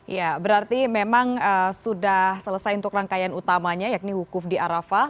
ya berarti memang sudah selesai untuk rangkaian utamanya yakni wukuf di arafah